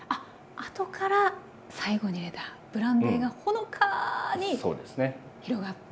あとから最後に入れたブランデーがほのかに広がって。